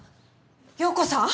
陽子さん